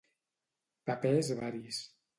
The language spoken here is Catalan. Papers varis.